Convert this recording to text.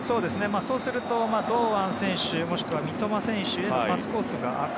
そうすると堂安選手もしくは三笘選手のパスコースが空く。